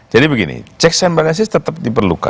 jadi begini check and balances tetap diperlukan